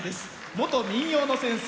元民謡の先生。